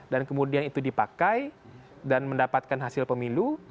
dan kemudian itu dipakai dan mendapatkan hasil pemilu